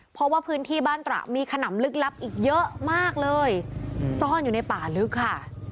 เพราะว่าพื้นที่บ้านตระมีขนำลึกลับอีกเยอะมากเลยซ่อนอยู่ในป่าลึกค่ะ